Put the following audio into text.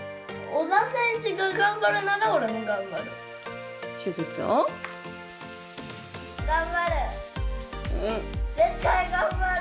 小田選手が頑張るなら俺も頑張る。